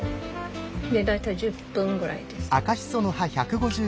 大体１０分ぐらいです。